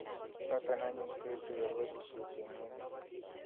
Noto anyun koetu kobotisiet eng emet